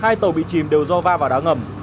hai tàu bị chìm đều do va vào đá ngầm